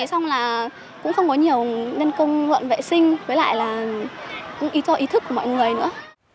xong là cũng không có nhiều nhân công vận vệ sinh với lại là cũng ý cho ý thức của mọi người nữa